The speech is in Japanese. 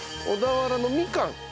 小田原のみかん。